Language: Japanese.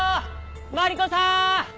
マリコさん！